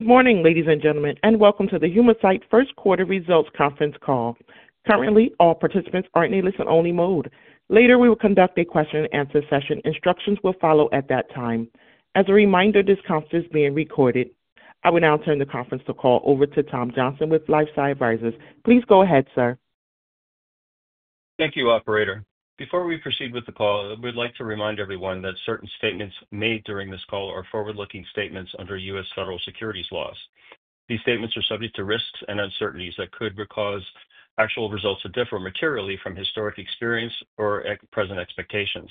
Good morning, ladies and gentlemen, and welcome to the Humacyte First Quarter Results Conference call. Currently, all participants are in a listen-only mode. Later, we will conduct a question-and-answer session. Instructions will follow at that time. As a reminder, this conference is being recorded. I will now turn the conference call over to Tom Johnson with LifeSci Advisors. Please go ahead, sir. Thank you, Operator. Before we proceed with the call, we'd like to remind everyone that certain statements made during this call are forward-looking statements under U.S. federal securities laws. These statements are subject to risks and uncertainties that could cause actual results to differ materially from historic experience or present expectations.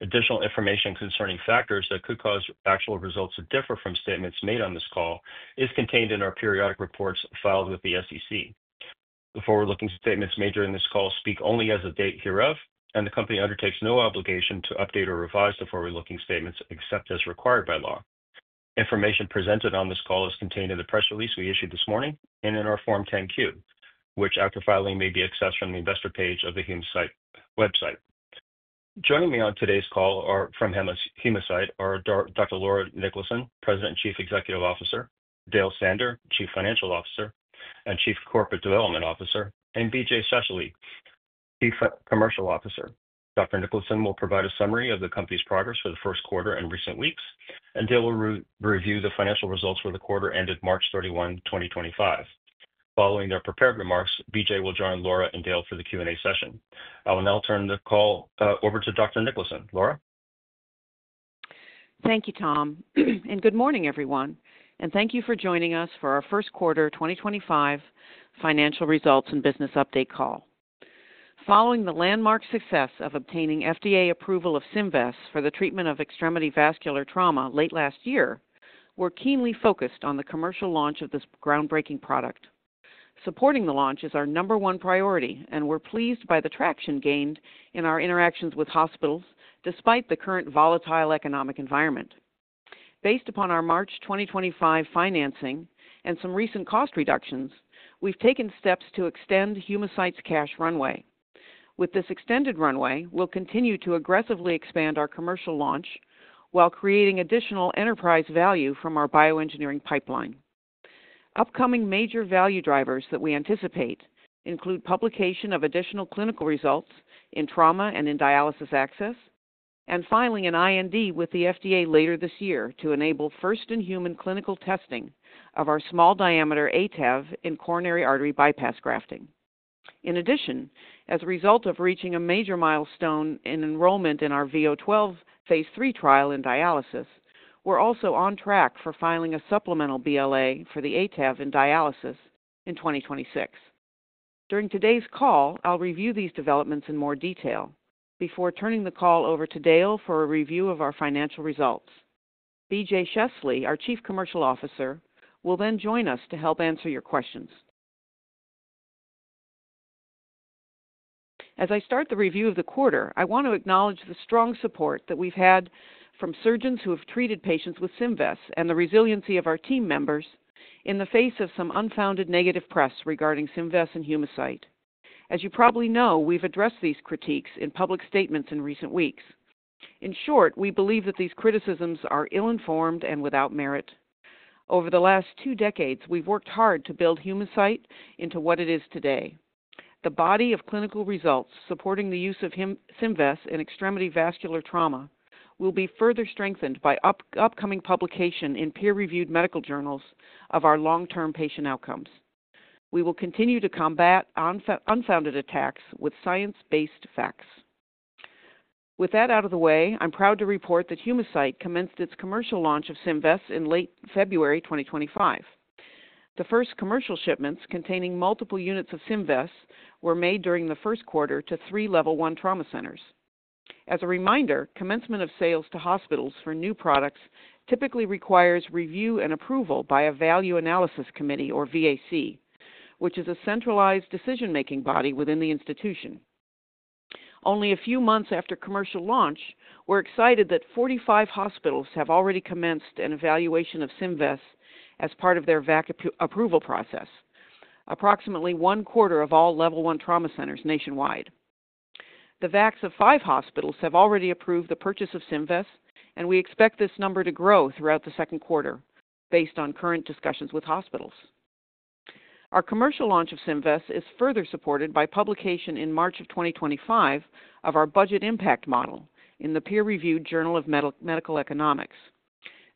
Additional information concerning factors that could cause actual results to differ from statements made on this call is contained in our periodic reports filed with the SEC. The forward-looking statements made during this call speak only as of date hereof, and the company undertakes no obligation to update or revise the forward-looking statements except as required by law. Information presented on this call is contained in the press release we issued this morning and in our Form 10Q, which, after filing, may be accessed from the investor page of the Humacyte website. Joining me on today's call from Humacyte are Dr. Laura Niklason, President and Chief Executive Officer, Dale Sander, Chief Financial Officer and Chief Corporate Development Officer, and BJ Scheessele, Chief Commercial Officer. Dr. Niklason will provide a summary of the company's progress for the first quarter and recent weeks, and Dale will review the financial results for the quarter ended March 31, 2025. Following their prepared remarks, BJ will join Laura and Dale for the Q&A session. I will now turn the call over to Dr. Niklason. Laura. Thank you, Tom. Good morning, everyone. Thank you for joining us for our First Quarter 2025 Financial Results and Business Update call. Following the landmark success of obtaining FDA approval of CIMVEST for the treatment of extremity vascular trauma late last year, we are keenly focused on the commercial launch of this groundbreaking product. Supporting the launch is our number one priority, and we are pleased by the traction gained in our interactions with hospitals despite the current volatile economic environment. Based upon our March 2025 financing and some recent cost reductions, we have taken steps to extend Humacyte's cash runway. With this extended runway, we will continue to aggressively expand our commercial launch while creating additional enterprise value from our bioengineering pipeline. Upcoming major value drivers that we anticipate include publication of additional clinical results in trauma and in dialysis access, and finally, an IND with the FDA later this year to enable first-in-human clinical testing of our small diameter ATAV in coronary artery bypass grafting. In addition, as a result of reaching a major milestone in enrollment in our VO12 phase III trial in dialysis, we're also on track for filing a supplemental BLA for the ATAV in dialysis in 2026. During today's call, I'll review these developments in more detail before turning the call over to Dale for a review of our financial results. BJ Scheessele, our Chief Commercial Officer, will then join us to help answer your questions. As I start the review of the quarter, I want to acknowledge the strong support that we've had from surgeons who have treated patients with CIMVEST and the resiliency of our team members in the face of some unfounded negative press regarding CIMVEST and Humacyte. As you probably know, we've addressed these critiques in public statements in recent weeks. In short, we believe that these criticisms are ill-informed and without merit. Over the last two decades, we've worked hard to build Humacyte into what it is today. The body of clinical results supporting the use of CIMVEST in extremity vascular trauma will be further strengthened by upcoming publication in peer-reviewed medical journals of our long-term patient outcomes. We will continue to combat unfounded attacks with science-based facts. With that out of the way, I'm proud to report that Humacyte commenced its commercial launch of CIMVEST in late February 2025. The first commercial shipments containing multiple units of CIMVEST were made during the first quarter to three Level 1 trauma centers. As a reminder, commencement of sales to hospitals for new products typically requires review and approval by a Value Analysis Committee, or VAC, which is a centralized decision-making body within the institution. Only a few months after commercial launch, we're excited that 45 hospitals have already commenced an evaluation of CIMVEST as part of their VAC approval process, approximately one quarter of all Level 1 trauma centers nationwide. The VACs of five hospitals have already approved the purchase of CIMVEST, and we expect this number to grow throughout the second quarter based on current discussions with hospitals. Our commercial launch of CIMVEST is further supported by publication in March of 2025 of our Budget Impact Model in the peer-reviewed Journal of Medical Economics.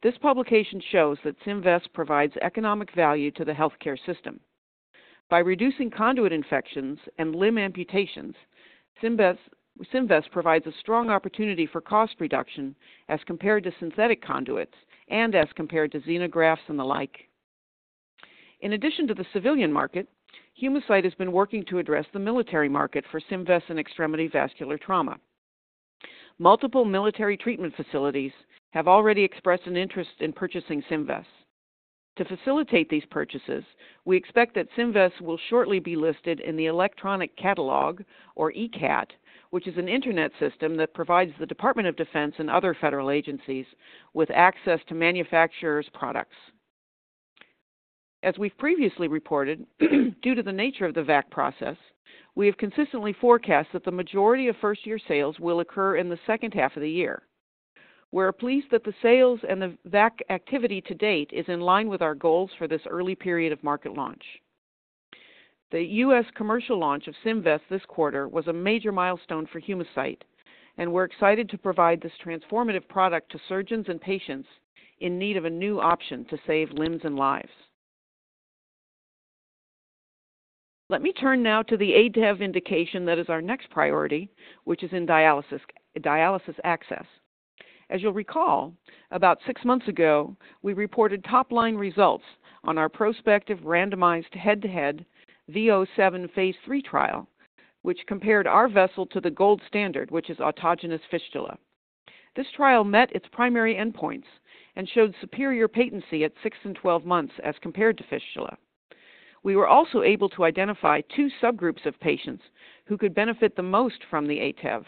This publication shows that CIMVEST provides economic value to the healthcare system. By reducing conduit infections and limb amputations, CIMVEST provides a strong opportunity for cost reduction as compared to synthetic conduits and as compared to xenografts and the like. In addition to the civilian market, Humacyte has been working to address the military market for CIMVEST in extremity vascular trauma. Multiple military treatment facilities have already expressed an interest in purchasing CIMVEST. To facilitate these purchases, we expect that CIMVEST will shortly be listed in the Electronic Catalog, or ECAT, which is an internet system that provides the Department of Defense and other federal agencies with access to manufacturers' products. As we've previously reported, due to the nature of the VAC process, we have consistently forecast that the majority of first-year sales will occur in the second half of the year. We're pleased that the sales and the VAC activity to date is in line with our goals for this early period of market launch. The U.S. commercial launch of CIMVEST this quarter was a major milestone for Humacyte, and we're excited to provide this transformative product to surgeons and patients in need of a new option to save limbs and lives. Let me turn now to the ATAV indication that is our next priority, which is in dialysis access. As you'll recall, about six months ago, we reported top-line results on our prospective randomized head-to-head VO7 phase III trial, which compared our vessel to the gold standard, which is autogenous fistula. This trial met its primary endpoints and showed superior patency at 6 and 12 months as compared to fistula. We were also able to identify two subgroups of patients who could benefit the most from the ATAV,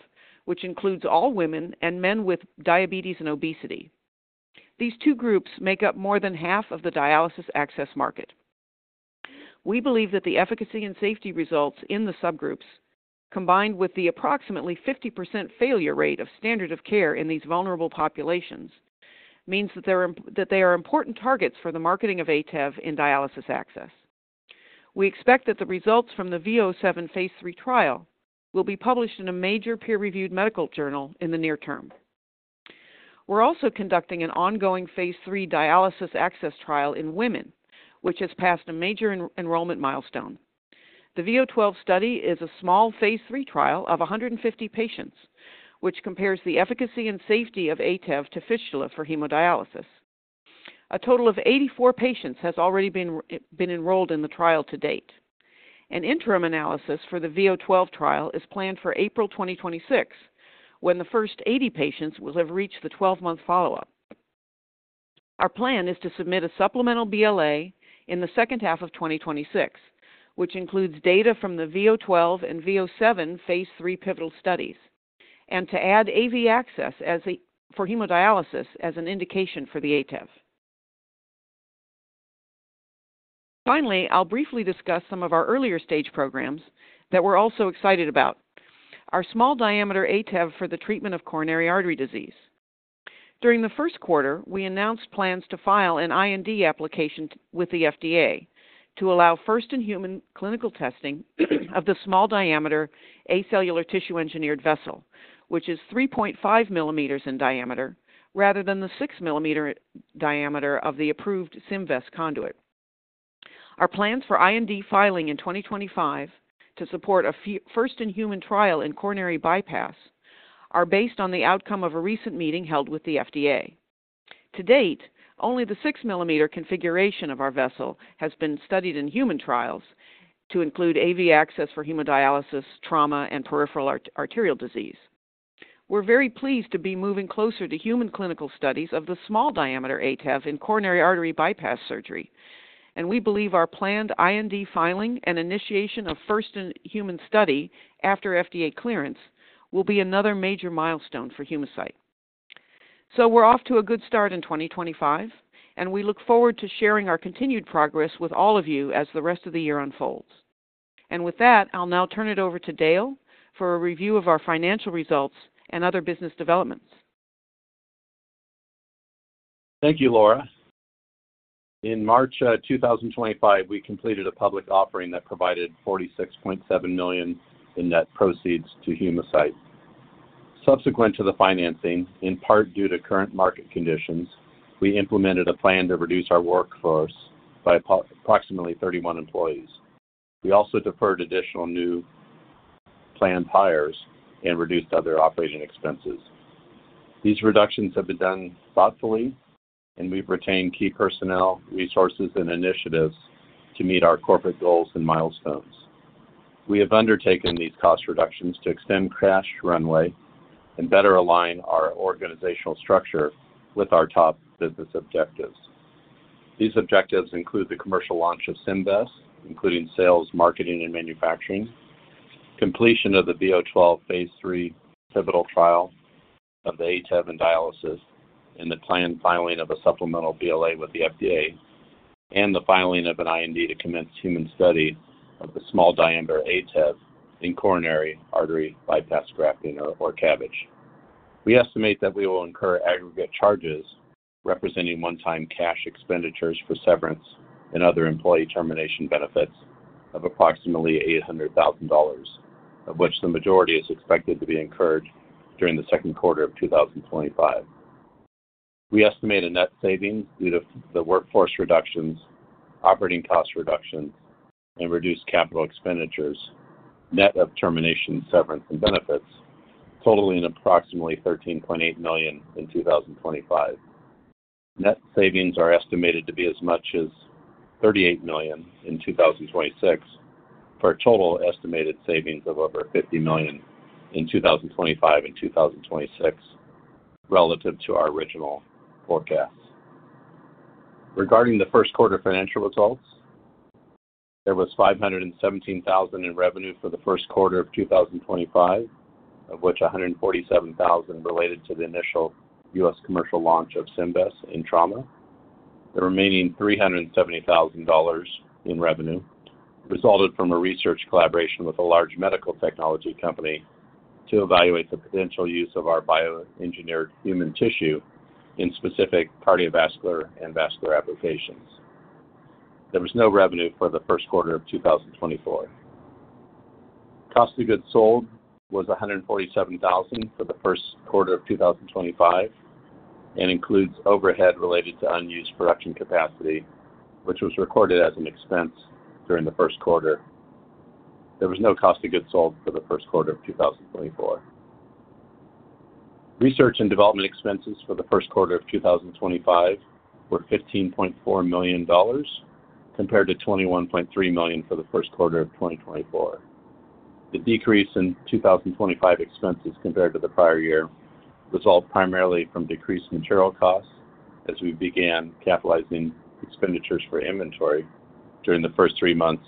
which includes all women and men with diabetes and obesity. These two groups make up more than half of the dialysis access market. We believe that the efficacy and safety results in the subgroups, combined with the approximately 50% failure rate of standard of care in these vulnerable populations, means that they are important targets for the marketing of ATAV in dialysis access. We expect that the results from the VO7 phase III trial will be published in a major peer-reviewed medical journal in the near term. We're also conducting an ongoing phase III dialysis access trial in women, which has passed a major enrollment milestone. The VO12 study is a small phase III trial of 150 patients, which compares the efficacy and safety of ATAV to fistula for hemodialysis. A total of 84 patients has already been enrolled in the trial to date. An interim analysis for the VO12 trial is planned for April 2026, when the first 80 patients will have reached the 12-month follow-up. Our plan is to submit a supplemental BLA in the second half of 2026, which includes data from the VO12 and VO7 phase III pivotal studies, and to add AV access for hemodialysis as an indication for the ATAV. Finally, I'll briefly discuss some of our earlier stage programs that we're also excited about: our small diameter ATAV for the treatment of coronary artery disease. During the first quarter, we announced plans to file an IND application with the FDA to allow first-in-human clinical testing of the small diameter acellular tissue-engineered vessel, which is 3.5 millimeters in diameter, rather than the 6-millimeter diameter of the approved CIMVEST conduit. Our plans for IND filing in 2025 to support a first-in-human trial in coronary bypass are based on the outcome of a recent meeting held with the FDA. To date, only the 6 mm configuration of our vessel has been studied in human trials to include AV access for hemodialysis, trauma, and peripheral arterial disease. We're very pleased to be moving closer to human clinical studies of the small diameter ATAV in coronary artery bypass surgery, and we believe our planned IND filing and initiation of first-in-human study after FDA clearance will be another major milestone for Humacyte. We're off to a good start in 2025, and we look forward to sharing our continued progress with all of you as the rest of the year unfolds. With that, I'll now turn it over to Dale for a review of our financial results and other business developments. Thank you, Laura. In March 2025, we completed a public offering that provided $46.7 million in net proceeds to Humacyte. Subsequent to the financing, in part due to current market conditions, we implemented a plan to reduce our workforce by approximately 31 employees. We also deferred additional new planned hires and reduced other operating expenses. These reductions have been done thoughtfully, and we've retained key personnel, resources, and initiatives to meet our corporate goals and milestones. We have undertaken these cost reductions to extend cash runway and better align our organizational structure with our top business objectives. These objectives include the commercial launch of CIMVEST, including sales, marketing, and manufacturing, completion of the VO12 phase III pivotal trial of the ATAV in dialysis, and the planned filing of a supplemental BLA with the FDA, and the filing of an IND to commence human study of the small diameter ATAV in coronary artery bypass grafting or CABG. We estimate that we will incur aggregate charges representing one-time cash expenditures for severance and other employee termination benefits of approximately $800,000, of which the majority is expected to be incurred during the second quarter of 2025. We estimate a net savings due to the workforce reductions, operating cost reductions, and reduced capital expenditures, net of termination, severance, and benefits, totaling approximately $13.8 million in 2025. Net savings are estimated to be as much as $38 million in 2026 for a total estimated savings of over $50 million in 2025 and 2026 relative to our original forecasts. Regarding the first quarter financial results, there was $517,000 in revenue for the first quarter of 2025, of which $147,000 related to the initial U.S. commercial launch of CIMVEST in trauma. The remaining $370,000 in revenue resulted from a research collaboration with a large medical technology company to evaluate the potential use of our bioengineered human tissue in specific cardiovascular and vascular applications. There was no revenue for the first quarter of 2024. Cost of goods sold was $147,000 for the first quarter of 2025 and includes overhead related to unused production capacity, which was recorded as an expense during the first quarter. There was no cost of goods sold for the first quarter of 2024. Research and development expenses for the first quarter of 2025 were $15.4 million compared to $21.3 million for the first quarter of 2024. The decrease in 2025 expenses compared to the prior year resulted primarily from decreased material costs as we began capitalizing expenditures for inventory during the first three months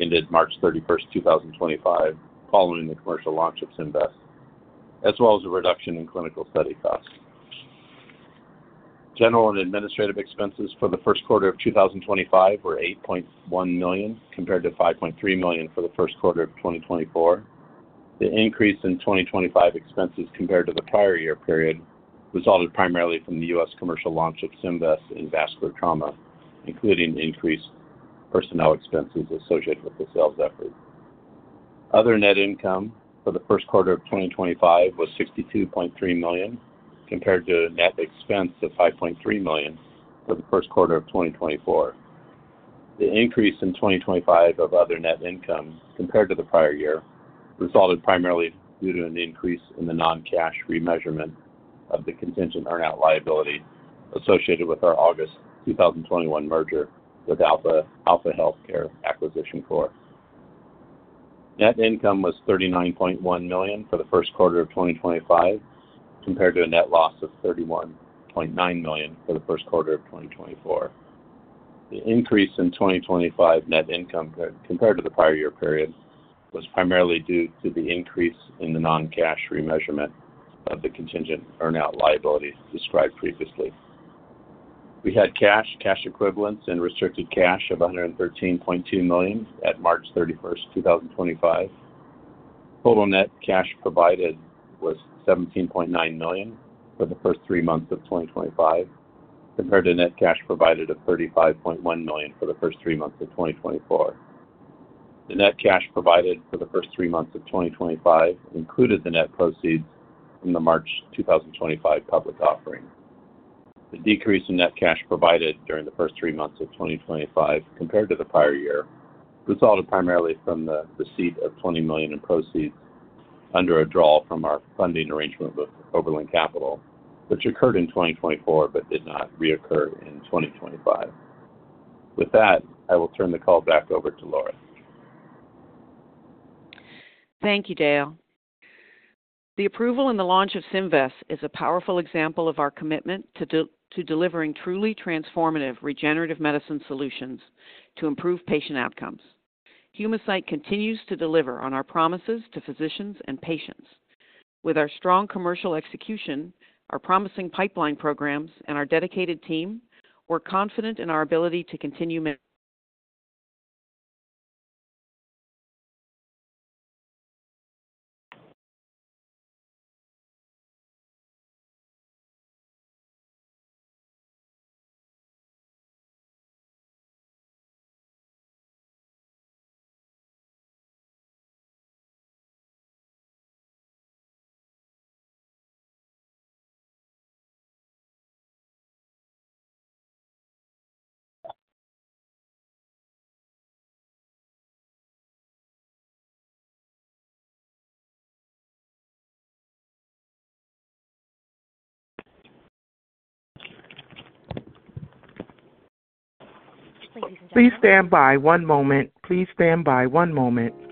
ended March 31, 2025, following the commercial launch of CIMVEST, as well as a reduction in clinical study costs. General and administrative expenses for the first quarter of 2025 were $8.1 million compared to $5.3 million for the first quarter of 2024. The increase in 2025 expenses compared to the prior year period resulted primarily from the U.S. commercial launch of CIMVEST in vascular trauma, including increased personnel expenses associated with the sales effort. Other net income for the first quarter of 2025 was $62.3 million compared to net expense of $5.3 million for the first quarter of 2024. The increase in 2025 of other net income compared to the prior year resulted primarily due to an increase in the non-cash remeasurement of the contingent earn-out liability associated with our August 2021 merger with Alpha Healthcare Acquisition Corp. Net income was $39.1 million for the first quarter of 2025 compared to a net loss of $31.9 million for the first quarter of 2024. The increase in 2025 net income compared to the prior year period was primarily due to the increase in the non-cash remeasurement of the contingent earn-out liability described previously. We had cash, cash equivalents, and restricted cash of $113.2 million at March 31st, 2025. Total net cash provided was $17.9 million for the first three months of 2025 compared to net cash provided of $35.1 million for the first three months of 2024. The net cash provided for the first three months of 2025 included the net proceeds from the March 2025 public offering. The decrease in net cash provided during the first three months of 2025 compared to the prior year resulted primarily from the receipt of $20 million in proceeds under a drawal from our funding arrangement with Oberlin Capital, which occurred in 2024 but did not reoccur in 2025. With that, I will turn the call back over to Laura. Thank you, Dale. The approval and the launch of CIMVEST is a powerful example of our commitment to delivering truly transformative regenerative medicine solutions to improve patient outcomes. Humacyte continues to deliver on our promises to physicians and patients. With our strong commercial execution, our promising pipeline programs, and our dedicated team, we're confident in our ability to continue. Please stand by one moment. Once again, ladies and gentlemen, we thank you for your patience. Please stand by.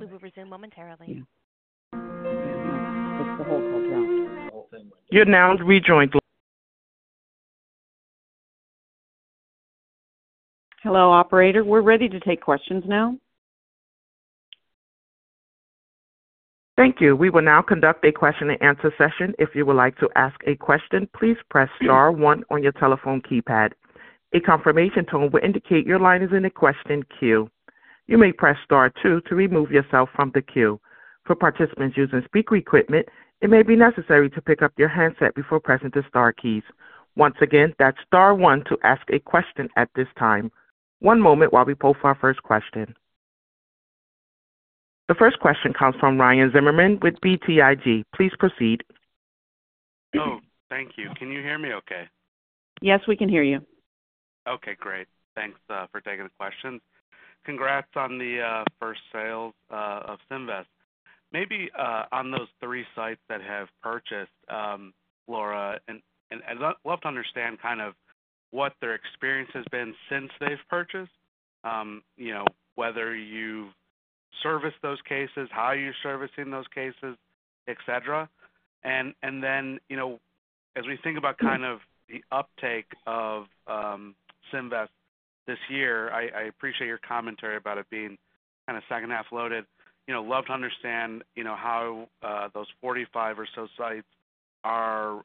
We will resume momentarily. You've now rejoined. Hello, operator. We're ready to take questions now. Thank you. We will now conduct a question-and-answer session. If you would like to ask a question, please press Star one on your telephone keypad. A confirmation tone will indicate your line is in a question queue. You may press Star two to remove yourself from the queue. For participants using speaker equipment, it may be necessary to pick up your handset before pressing the Star keys. Once again, that's Star one to ask a question at this time. One moment while we post our first question. The first question comes from Ryan Zimmerman with BTIG. Please proceed. Hello. Thank you. Can you hear me okay? Yes, we can hear you. Okay. Great. Thanks for taking the question. Congrats on the first sales of CIMVEST. Maybe on those three sites that have purchased, Laura, I'd love to understand kind of what their experience has been since they've purchased, whether you've serviced those cases, how you're servicing those cases, etc. As we think about kind of the uptake of CIMVEST this year, I appreciate your commentary about it being kind of second half loaded. Love to understand how those 45 or so sites are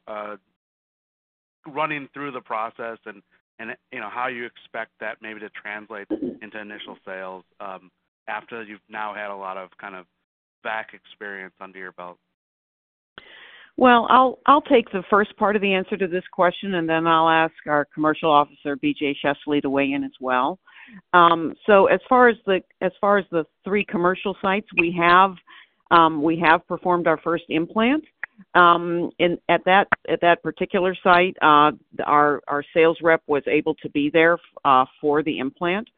running through the process and how you expect that maybe to translate into initial sales after you've now had a lot of kind of back experience under your belt. I'll take the first part of the answer to this question, and then I'll ask our Commercial Officer, BJ Scheessele, to weigh in as well. As far as the three commercial sites we have, we have performed our first implant. At that particular site, our sales rep was able to be there for the implant.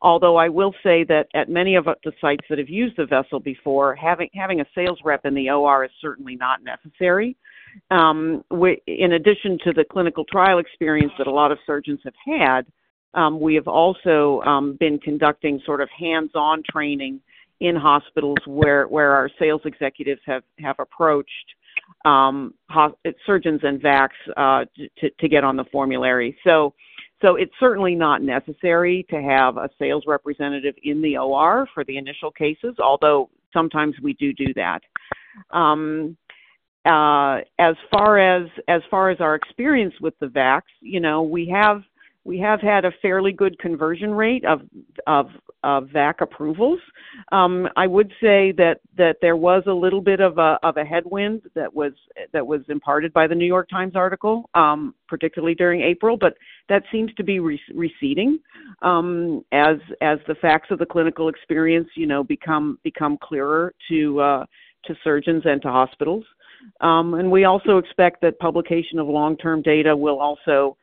Although I will say that at many of the sites that have used the vessel before, having a sales rep in the OR is certainly not necessary. In addition to the clinical trial experience that a lot of surgeons have had, we have also been conducting sort of hands-on training in hospitals where our sales executives have approached surgeons and VACs to get on the formulary. It is certainly not necessary to have a sales representative in the OR for the initial cases, although sometimes we do do that. As far as our experience with the VACs, we have had a fairly good conversion rate of VAC approvals. I would say that there was a little bit of a headwind that was imparted by the New York Times article, particularly during April, but that seems to be receding as the facts of the clinical experience become clearer to surgeons and to hospitals. We also expect that publication of long-term data will also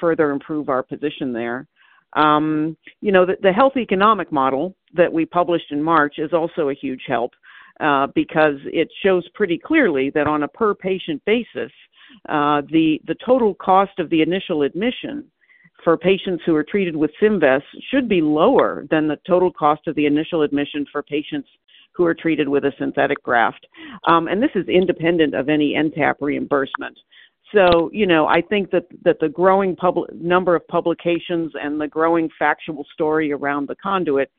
further improve our position there. The health economic model that we published in March is also a huge help because it shows pretty clearly that on a per-patient basis, the total cost of the initial admission for patients who are treated with CIMVEST should be lower than the total cost of the initial admission for patients who are treated with a synthetic graft. This is independent of any NTAP reimbursement. I think that the growing number of publications and the growing factual story around the conduit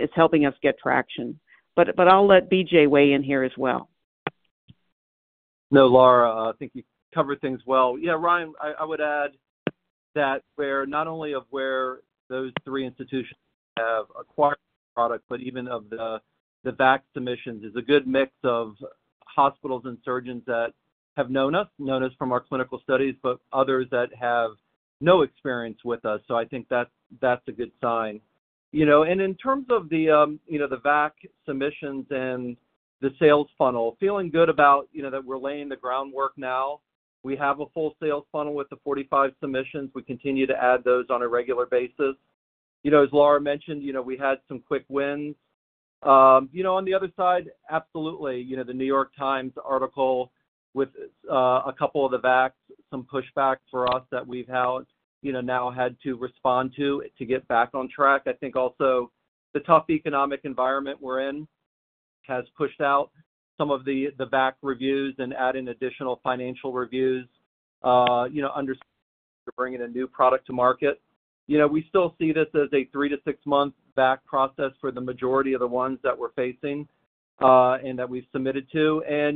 is helping us get traction. I'll let BJ weigh in here as well. No, Laura, I think you covered things well. Yeah, Ryan, I would add that not only of where those three institutions have acquired the product, but even of the VAC submissions, is a good mix of hospitals and surgeons that have known us, known us from our clinical studies, but others that have no experience with us. I think that's a good sign. In terms of the VAC submissions and the sales funnel, feeling good about that we're laying the groundwork now. We have a full sales funnel with the 45 submissions. We continue to add those on a regular basis. As Laura mentioned, we had some quick wins. On the other side, absolutely. The New York Times article with a couple of the VACs, some pushback for us that we've now had to respond to to get back on track. I think also the tough economic environment we're in has pushed out some of the VAC reviews and adding additional financial reviews understanding that we're bringing a new product to market. We still see this as a three- to six-month VAC process for the majority of the ones that we're facing and that we've submitted to. As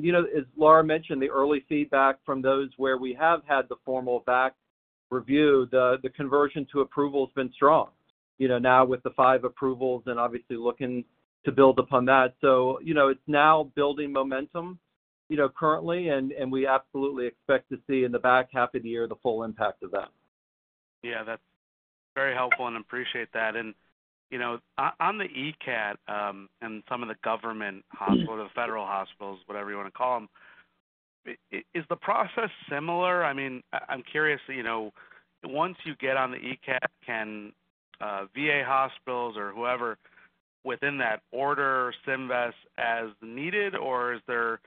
Laura mentioned, the early feedback from those where we have had the formal VAC review, the conversion to approval has been strong now with the five approvals and obviously looking to build upon that. It is now building momentum currently, and we absolutely expect to see in the back half of the year the full impact of that. Yeah, that's very helpful, and I appreciate that. On the ECAT and some of the government hospitals, the federal hospitals, whatever you want to call them, is the process similar? I mean, I'm curious. Once you get on the ECAT, can VA hospitals or whoever within that order CIMVEST as needed, or are there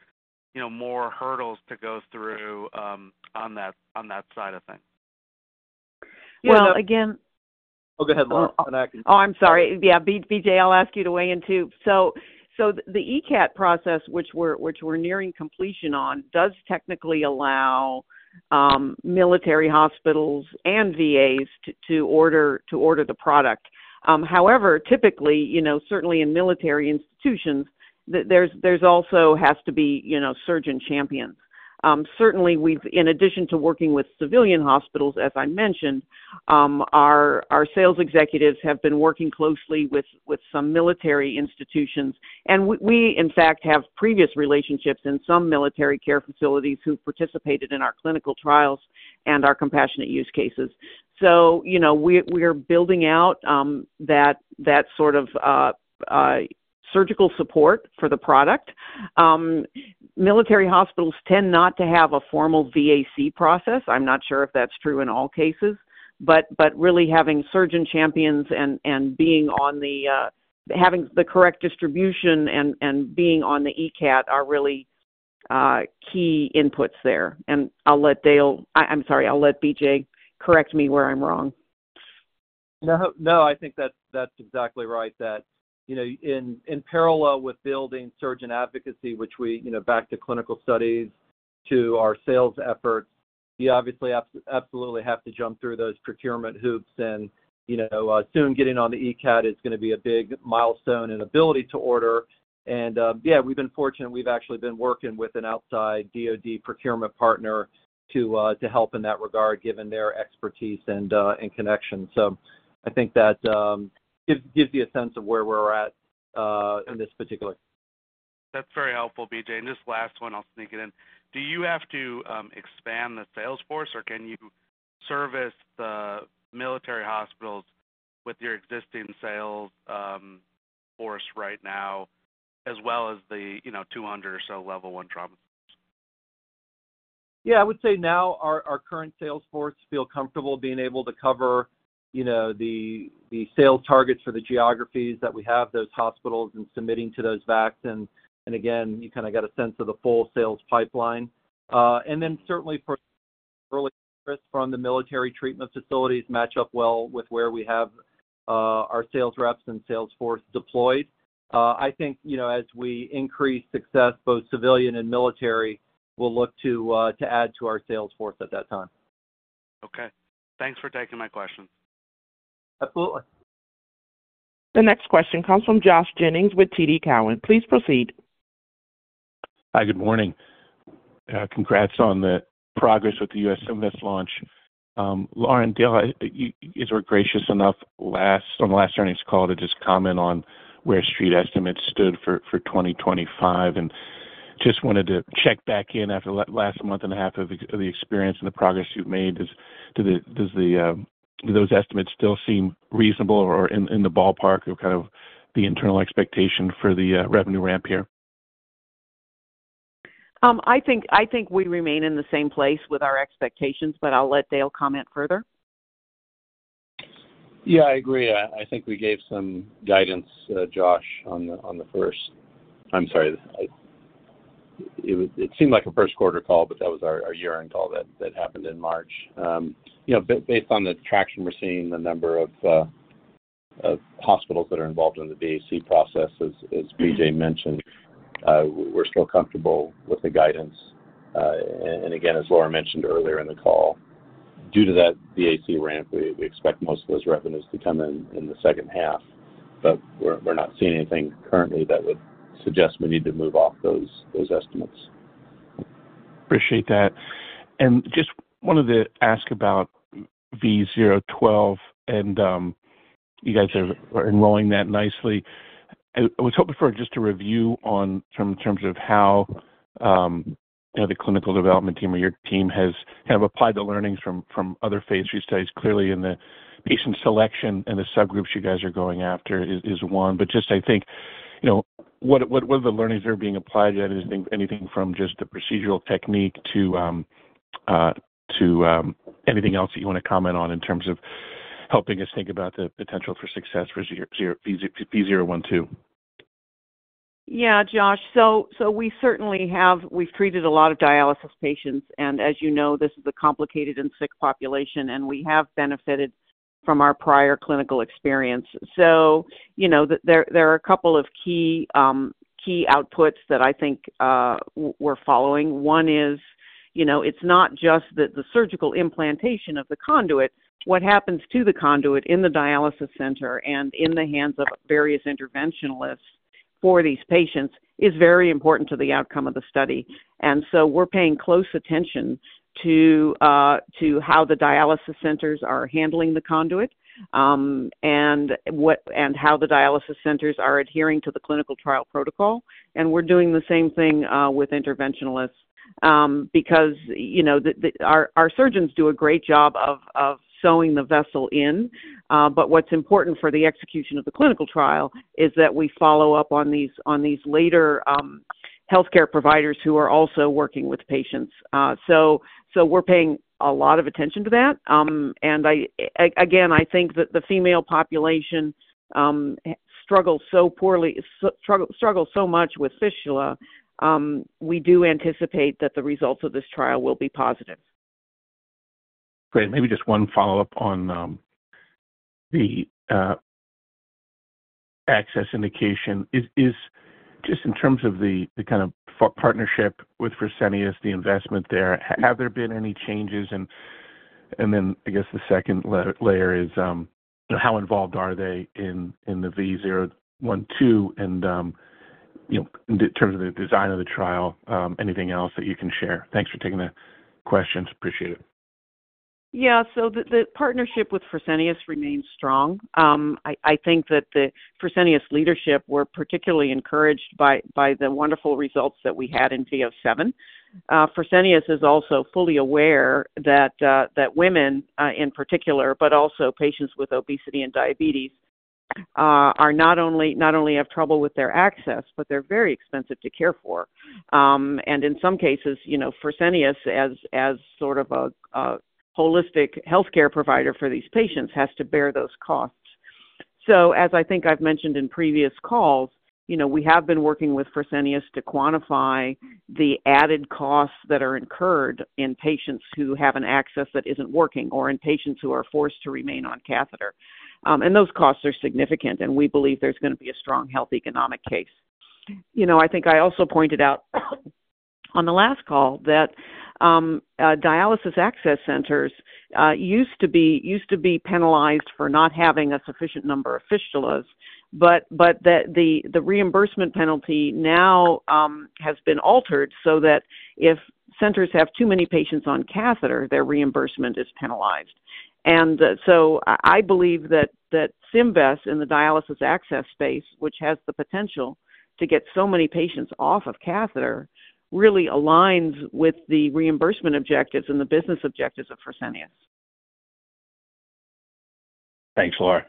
more hurdles to go through on that side of things? Well, again. Oh, go ahead, Laura. Oh, I'm sorry. Yeah, BJ, I'll ask you to weigh in too. The ECAT process, which we're nearing completion on, does technically allow military hospitals and VAs to order the product. However, typically, certainly in military institutions, there also has to be surgeon champions. Certainly, in addition to working with civilian hospitals, as I mentioned, our sales executives have been working closely with some military institutions. We, in fact, have previous relationships in some military care facilities who participated in our clinical trials and our compassionate use cases. We are building out that sort of surgical support for the product. Military hospitals tend not to have a formal VAC process. I'm not sure if that's true in all cases. Really having surgeon champions and having the correct distribution and being on the ECAT are really key inputs there. I'll let Dale—I'm sorry, I'll let BJ correct me where I'm wrong. No, I think that's exactly right. In parallel with building surgeon advocacy, which we—back to clinical studies to our sales efforts—you obviously absolutely have to jump through those procurement hoops. Soon, getting on the ECAT is going to be a big milestone and ability to order. Yeah, we've been fortunate. We've actually been working with an outside DOD procurement partner to help in that regard, given their expertise and connection. I think that gives you a sense of where we're at in this particular. That's very helpful, BJ. Just last one, I'll sneak it in. Do you have to expand the sales force, or can you service the military hospitals with your existing sales force right now, as well as the 200 or so level one trauma sites? Yeah, I would say now our current sales force feels comfortable being able to cover the sales targets for the geographies that we have, those hospitals and submitting to those VACs. You kind of got a sense of the full sales pipeline. Certainly for early service from the military treatment facilities, match up well with where we have our sales reps and sales force deployed. I think as we increase success, both civilian and military will look to add to our sales force at that time. Okay. Thanks for taking my questions. Absolutely. The next question comes from Josh Jennings with TD Cowen. Please proceed. Hi, good morning. Congrats on the progress with the U.S. CIMVEST launch. Laura, and Dale, you guys were gracious enough on the last earnings call to just comment on where Street Estimates stood for 2025. I just wanted to check back in after the last month and a half of the experience and the progress you've made. Do those estimates still seem reasonable or in the ballpark of kind of the internal expectation for the revenue ramp here? I think we remain in the same place with our expectations, but I'll let Dale comment further. Yeah, I agree. I think we gave some guidance, Josh, on the first—I'm sorry. It seemed like a first quarter call, but that was our year-end call that happened in March. Based on the traction we're seeing, the number of hospitals that are involved in the VAC process, as BJ mentioned, we're still comfortable with the guidance. As Laura mentioned earlier in the call, due to that VAC ramp, we expect most of those revenues to come in in the second half. We're not seeing anything currently that would suggest we need to move off those estimates. Appreciate that. I just wanted to ask about VO12, and you guys are enrolling that nicely. I was hoping for just a review in terms of how the clinical development team or your team has kind of applied the learnings from other phase three studies. Clearly, in the patient selection and the subgroups you guys are going after is one. I think what are the learnings that are being applied to that? Anything from just the procedural technique to anything else that you want to comment on in terms of helping us think about the potential for success for VO12? Yeah, Josh. We certainly have—we've treated a lot of dialysis patients. As you know, this is a complicated and sick population, and we have benefited from our prior clinical experience. There are a couple of key outputs that I think we're following. One is it's not just the surgical implantation of the conduit. What happens to the conduit in the dialysis center and in the hands of various interventionalists for these patients is very important to the outcome of the study. We are paying close attention to how the dialysis centers are handling the conduit and how the dialysis centers are adhering to the clinical trial protocol. We are doing the same thing with interventionalists because our surgeons do a great job of sewing the vessel in. What's important for the execution of the clinical trial is that we follow up on these later healthcare providers who are also working with patients. We're paying a lot of attention to that. Again, I think that the female population struggles so much with fistula. We do anticipate that the results of this trial will be positive. Great. Maybe just one follow-up on the access indication. Just in terms of the kind of partnership with Fresenius, the investment there, have there been any changes? I guess the second layer is how involved are they in the VO12 and in terms of the design of the trial? Anything else that you can share? Thanks for taking the questions. Appreciate it. Yeah. The partnership with Fresenius remains strong. I think that the Fresenius leadership were particularly encouraged by the wonderful results that we had in VO7. Fresenius is also fully aware that women, in particular, but also patients with obesity and diabetes, not only have trouble with their access, but they're very expensive to care for. In some cases, Fresenius, as sort of a holistic healthcare provider for these patients, has to bear those costs. As I think I've mentioned in previous calls, we have been working with Fresenius to quantify the added costs that are incurred in patients who have an access that isn't working or in patients who are forced to remain on catheter. Those costs are significant, and we believe there's going to be a strong health economic case. I think I also pointed out on the last call that dialysis access centers used to be penalized for not having a sufficient number of fistulas, but the reimbursement penalty now has been altered so that if centers have too many patients on catheter, their reimbursement is penalized. I believe that CIMVEST in the dialysis access space, which has the potential to get so many patients off of catheter, really aligns with the reimbursement objectives and the business objectives of Fresenius. Thanks, Laura.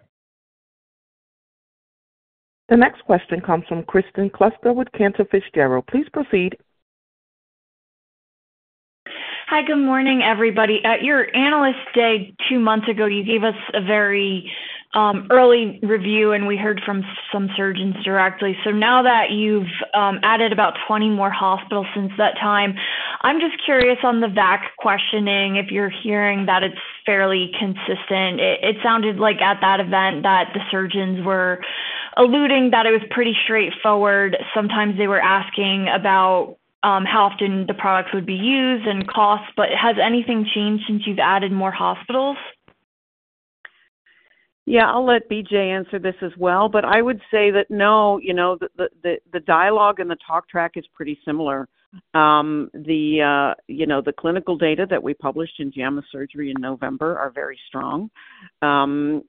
The next question comes from Kristen Kluster with Cantor Fitzgerald. Please proceed. Hi, good morning, everybody. At your analyst day two months ago, you gave us a very early review, and we heard from some surgeons directly. Now that you've added about 20 more hospitals since that time, I'm just curious on the VAC questioning, if you're hearing that it's fairly consistent. It sounded like at that event that the surgeons were alluding that it was pretty straightforward. Sometimes they were asking about how often the products would be used and costs. Has anything changed since you've added more hospitals? Yeah, I'll let BJ answer this as well. I would say that, no, the dialogue and the talk track is pretty similar. The clinical data that we published in JAMA Surgery in November are very strong. The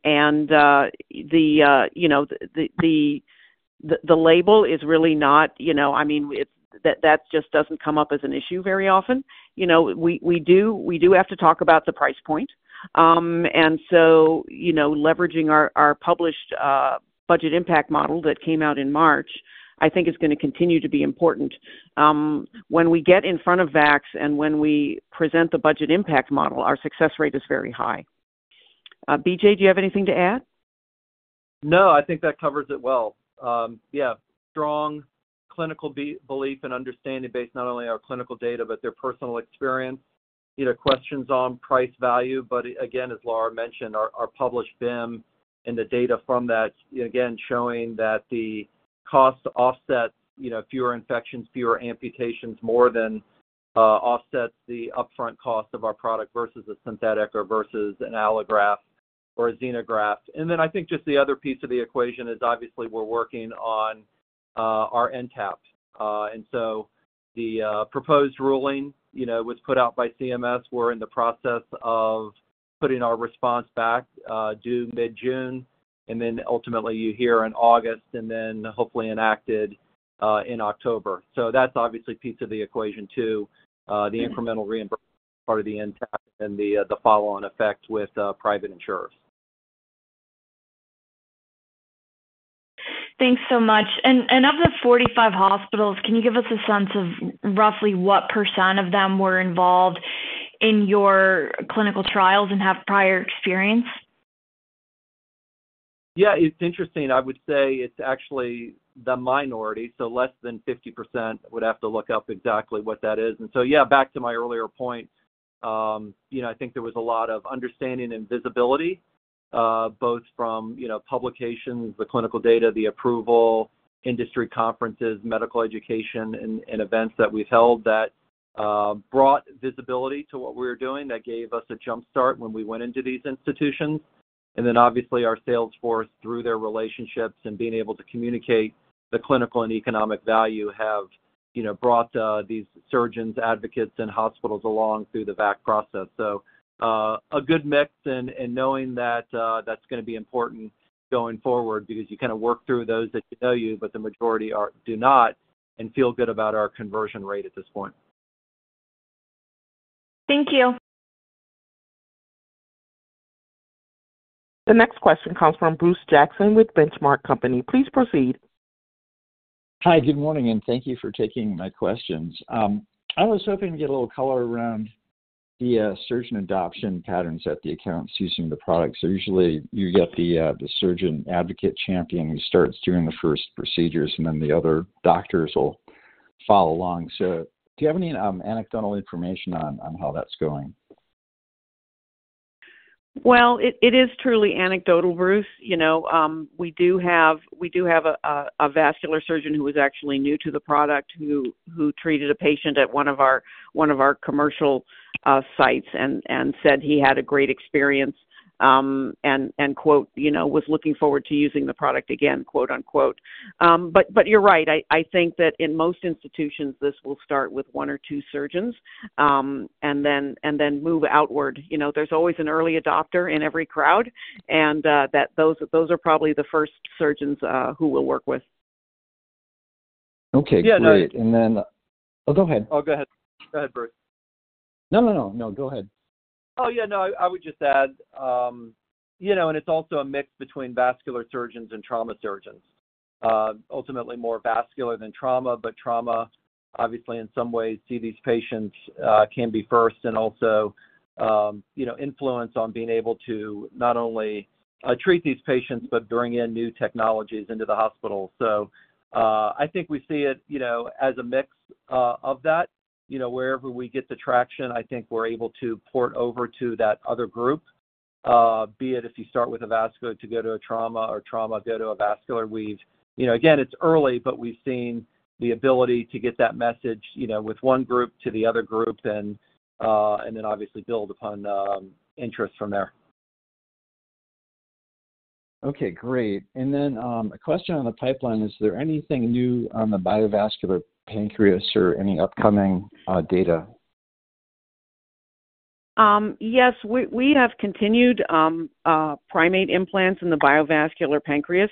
label is really not—I mean, that just does not come up as an issue very often. We do have to talk about the price point. Leveraging our published budget impact model that came out in March, I think, is going to continue to be important. When we get in front of VACs and when we present the budget impact model, our success rate is very high. BJ, do you have anything to add? No, I think that covers it well. Yeah, strong clinical belief and understanding based not only on our clinical data but their personal experience. Questions on price value. Again, as Laura mentioned, our published BIM and the data from that, again, showing that the cost offsets, fewer infections, fewer amputations more than offsets the upfront cost of our product versus a synthetic or versus an allograft or a xenograft. I think just the other piece of the equation is obviously we're working on our NTAP. The proposed ruling was put out by CMS. We're in the process of putting our response back, due mid-June. Ultimately, you hear in August and then hopefully enacted in October. That's obviously a piece of the equation too, the incremental reimbursement part of the NTAP and the follow-on effect with private insurers. Thanks so much. Of the 45 hospitals, can you give us a sense of roughly what % of them were involved in your clinical trials and have prior experience? Yeah, it's interesting. I would say it's actually the minority. So less than 50% would have to look up exactly what that is. Yeah, back to my earlier point, I think there was a lot of understanding and visibility, both from publications, the clinical data, the approval, industry conferences, medical education, and events that we've held that brought visibility to what we were doing. That gave us a jumpstart when we went into these institutions. Obviously, our sales force, through their relationships and being able to communicate the clinical and economic value, have brought these surgeons, advocates, and hospitals along through the VAC process. A good mix and knowing that that's going to be important going forward because you kind of work through those that know you, but the majority do not and feel good about our conversion rate at this point. Thank you. The next question comes from Bruce Jackson with Benchmark Company. Please proceed. Hi, good morning, and thank you for taking my questions. I was hoping to get a little color around the surgeon adoption patterns at the accounts using the products. Usually, you get the surgeon, advocate, champion who starts doing the first procedures, and then the other doctors will follow along. Do you have any anecdotal information on how that's going? It is truly anecdotal, Bruce. We do have a vascular surgeon who was actually new to the product who treated a patient at one of our commercial sites and said he had a great experience and, quote, "was looking forward to using the product again," quote-unquote. You are right. I think that in most institutions, this will start with one or two surgeons and then move outward. There is always an early adopter in every crowd, and those are probably the first surgeons who we will work with. Okay. Great. And then—oh, go ahead. Oh, go ahead. Go ahead, Bruce. No, no. No, go ahead. Oh, yeah. No, I would just add, and it's also a mix between vascular surgeons and trauma surgeons. Ultimately, more vascular than trauma, but trauma, obviously, in some ways, see these patients can be first and also influence on being able to not only treat these patients but bring in new technologies into the hospital. I think we see it as a mix of that. Wherever we get the traction, I think we're able to port over to that other group, be it if you start with a vascular to go to a trauma or trauma go to a vascular. Again, it's early, but we've seen the ability to get that message with one group to the other group and then obviously build upon interest from there. Okay. Great. Is there anything new on the biovascular pancreas or any upcoming data? Yes. We have continued primate implants in the biovascular pancreas.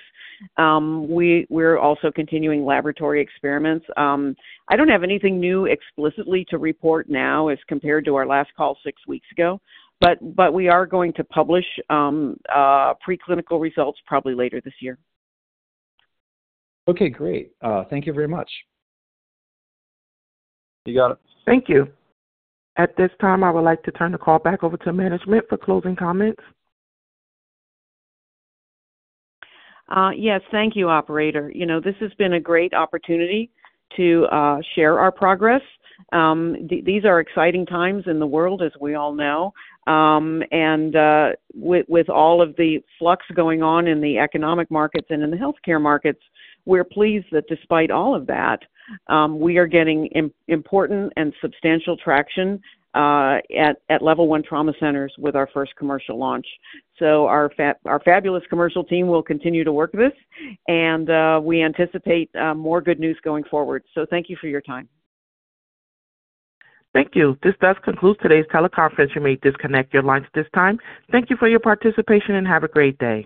We're also continuing laboratory experiments. I don't have anything new explicitly to report now as compared to our last call six weeks ago, but we are going to publish preclinical results probably later this year. Okay. Great. Thank you very much. You got it. Thank you. At this time, I would like to turn the call back over to management for closing comments. Yes. Thank you, Operator. This has been a great opportunity to share our progress. These are exciting times in the world, as we all know. With all of the flux going on in the economic markets and in the healthcare markets, we're pleased that despite all of that, we are getting important and substantial traction at level one trauma centers with our first commercial launch. Our fabulous commercial team will continue to work this, and we anticipate more good news going forward. Thank you for your time. Thank you. This does conclude today's teleconference. You may disconnect your lines at this time. Thank you for your participation and have a great day.